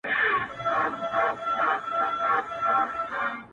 زه به همدغه سي شعرونه ليكم,